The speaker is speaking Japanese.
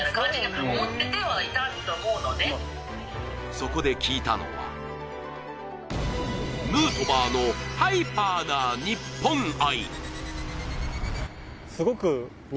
そこで聞いたのは、ヌートバーのハイパーな日本愛。